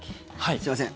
すみません。